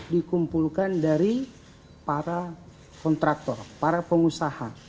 dikumpulkan dari para kontraktor para pengusaha